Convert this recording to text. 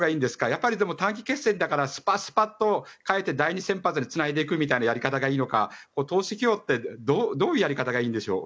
やっぱり短期決戦だからスパスパと代えて第２先発につないでいくというやり方がいいのか投手起用はどういうやり方がいいんでしょう？